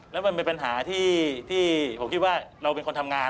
แล้วมันเป็นปัญหาที่ผมคิดว่าเราเป็นคนทำงาน